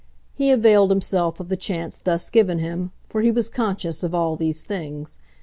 He availed himself of the chance thus given him, for he was conscious of all these things.